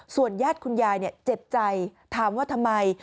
ญาติคุณยายเจ็บใจถามว่าทำไม